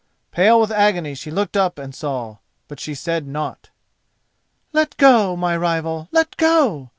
Pale with agony she looked up and saw, but she said naught. "Let go, my rival; let go!"